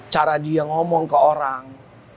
cara dia ngomong ke orang